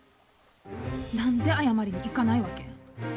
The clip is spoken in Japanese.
何で謝りに行かないわけ？